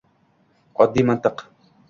Oddiy mantiq